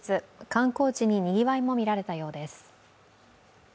観光地ににぎわいも見られたようです。